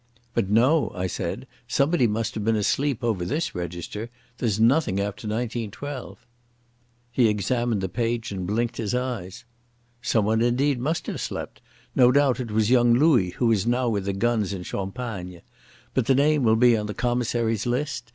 "But, no," I said. "Somebody must have been asleep over this register. There's nothing after 1912." He examined the page and blinked his eyes. "Someone indeed must have slept. No doubt it was young Louis who is now with the guns in Champagne. But the name will be on the Commissary's list.